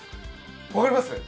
わかります？